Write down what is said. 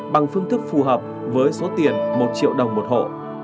bằng phương thức phù hợp với số tiền một triệu đồng một hộ